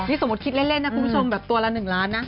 สมมุติคิดเล่นนะคุณผู้ชมแบบตัวละ๑ล้านนะ